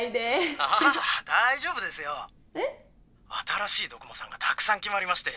新しい読モさんがたくさん決まりまして。